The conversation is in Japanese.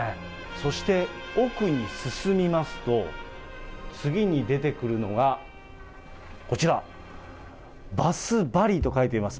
そして奥に進みますと、次に出てくるのがこちら、バスバリと書いています。